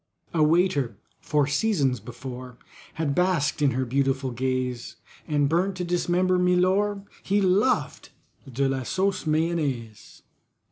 A waiter, for seasons before, Had basked in her beautiful gaze, And burnt to dismember MILOR, He loved DE LA SAUCE MAYONNAISE.